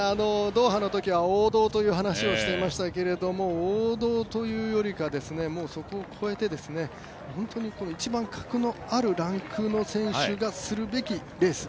ドーハの時は王道という話をしていましたけど王道というよりかはそこを超えて本当に一番、格のあるランクの選手がするべきレース。